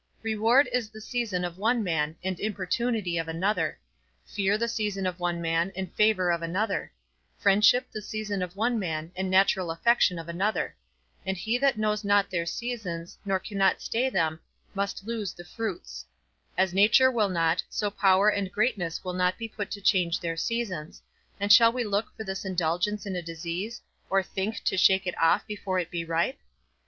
Reward is the season of one man, and importunity of another; fear the season of one man, and favour of another; friendship the season of one man, and natural affection of another; and he that knows not their seasons, nor cannot stay them, must lose the fruits: as nature will not, so power and greatness will not be put to change their seasons, and shall we look for this indulgence in a disease, or think to shake it off before it be ripe?